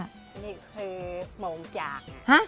นี่คือโมงจาก